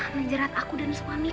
menjerat aku dan suamiku